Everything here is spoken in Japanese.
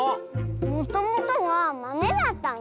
もともとはまめだったの？